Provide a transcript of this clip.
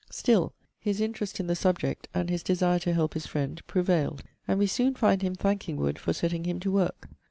Still, his interest in the subject, and his desire to help his friend prevailed; and we soon find him thanking Wood for setting him to work.